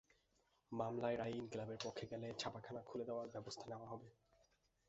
মামলার রায় ইনকিলাব-এর পক্ষে গেলে ছাপাখানা খুলে দেওয়ার ব্যবস্থা নেওয়া হবে।